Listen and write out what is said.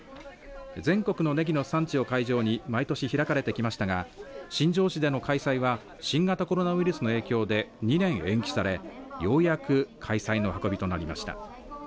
全国のねぎの産地を会場に毎年、開かれてきましたが新庄市での開催は新型コロナウイルスの影響で２年延期されようやく開催の運びとなりました。